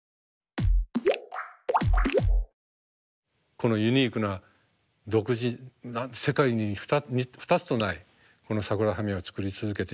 このユニークな独自な世界に２つとないこのサグラダ・ファミリアを作り続けていく。